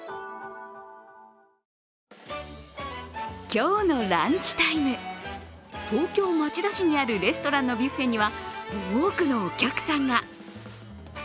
今日のランチタイム、東京・町田市にあるレストランのビュッフェには多くのお客さんが。